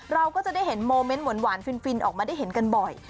เราก็จะได้เห็นโมเมนต์หวานฟินออกมาได้เห็นกันบ่อย